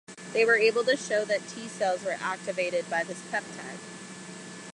They were able to show that T cells were activated by this peptide.